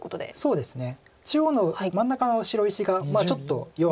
そうですね。